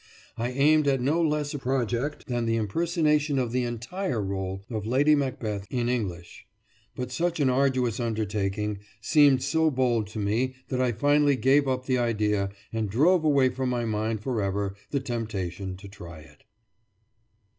I aimed at no less a project than the impersonation of the entire role of Lady Macbeth in English, but such an arduous undertaking seemed so bold to me that I finally gave up the idea and drove away from my mind forever the temptation to try it.